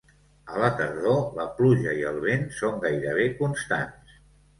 A la tardor, la pluja i el vent són gairebé constants.